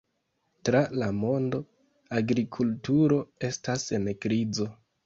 Tra la mondo, agrikulturo estas en krizo.